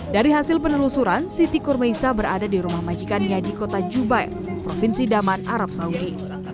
dari hasil penelusuran siti kurmaisa berada di rumah majikannya di kota jubair provinsi daman arab saudi